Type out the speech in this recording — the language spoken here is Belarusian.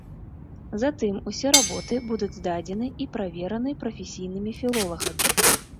Затым усе работы будуць здадзены і правераны прафесійнымі філолагамі.